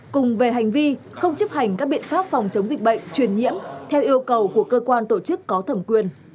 cùng về hành vi không chấp hành các biện pháp phòng chống dịch bệnh truyền nhiễm theo yêu cầu của cơ quan tổ chức có thẩm quyền